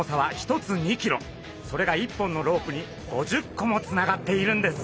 それが１本のロープに５０個もつながっているんです。